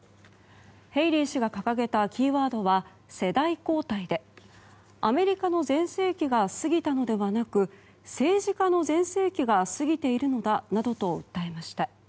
ヘイリー氏が掲げたキーワードは世代交代でアメリカの全盛期が過ぎたのではなく政治家の全盛期が過ぎているのだなどと訴えました。